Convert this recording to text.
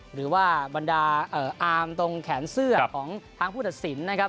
หรือว่าบรรดาอาร์มตรงแขนเสื้อของทางผู้ตัดสินนะครับ